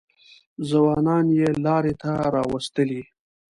ځوانان یې لارې ته راوستلي.